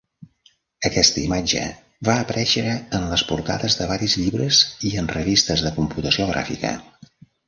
Aquesta imatge va aparèixer en les portades de varis llibres i en revistes de computació gràfica.